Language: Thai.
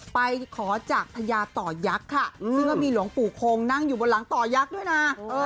ไปขอจากพญาต่อยักษ์ค่ะซึ่งก็มีหลวงปู่โคงนั่งอยู่บนหลังต่อยักษ์ด้วยนะ